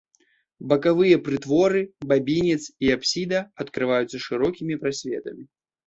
Бакавыя прытворы, бабінец і апсіда адкрываюцца шырокімі прасветамі.